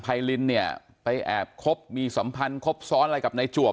ไยลินเนี่ยไปแอบคบมีสัมพันธ์ครบซ้อนอะไรกับนายจวบ